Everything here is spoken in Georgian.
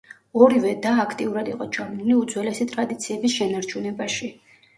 ორივე და აქტიურად იყო ჩაბმული უძველესი ტრადიციების შენარჩუნებაში.